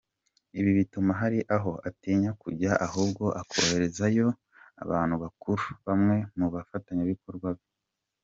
Ibi bituma hari aho atinya kujya ahubwo akoherezayo abantu bakuru, bamwe mu bafatanyabikorwa be.